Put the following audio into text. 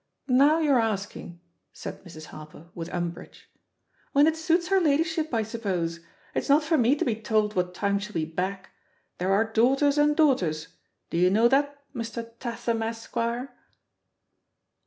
"Now you're asking I" said Mrs. Harper with umbrage. "When it suits her ladyship, I sup pose. It's not for me to be told what time she'll be back. There are daughters and daughters I Do you know that, Mr. Tatham, Esquire?"